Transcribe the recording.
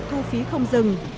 thu phí không dừng